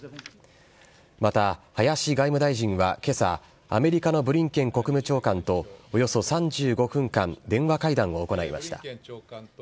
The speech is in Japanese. また、林外務大臣はけさ、アメリカのブリンケン国務長官と、およそ３５分間、電話会談を行いました。